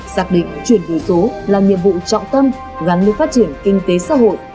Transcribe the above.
xác định chuyển đổi số là nhiệm vụ trọng tâm gắn với phát triển kinh tế xã hội